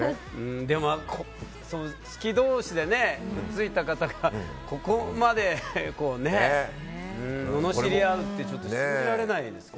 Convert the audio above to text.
でも好き同士でくっついた方がここまでののしり合うって信じられないですね。